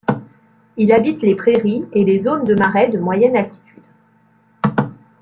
Il habite les prairies et les zones de marais de moyenne altitude.